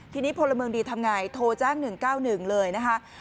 ทีนี้พลเมืองดีทำไงโทรแจ้ง๑๙๑เลยนะคะ